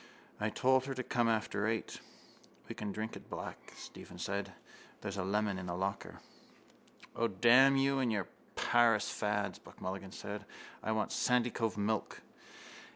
I told her to come after eight. —We can drink it black, Stephen said thirstily. There's a lemon in the locker. —O, damn you and your Paris fads! Buck Mulligan said. I want Sandycove milk.